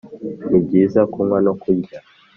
nibyiza kunywa no kurya,